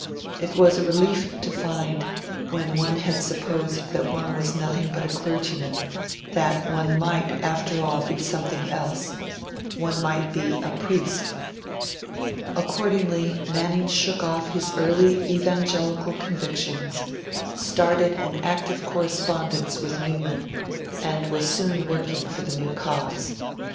It was a relief to find, when one had supposed that one was nothing but a clergyman, that one might, after all, be something else one might be a priest. Accordingly, Manning shook off his early Evangelical convictions, started an active correspondence with Newman, and was soon working for the new cause.